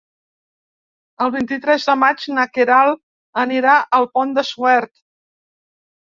El vint-i-tres de maig na Queralt anirà al Pont de Suert.